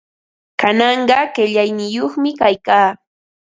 Kananqa qillayniyuqmi kaykaa.